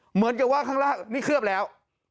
เหมือนกับว่าข้างล่างนี่เคลือบแล้ว